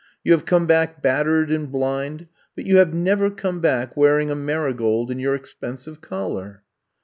You have come back battered and blind, but you have never come back wearing a mari gold in your expensive collar.'